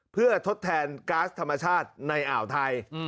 เพื่อทดแทนก๊าซธรรมชาติในอ่าวไทย